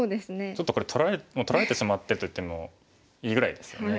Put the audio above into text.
ちょっとこれ取られてしまってるといってもいいぐらいですよね。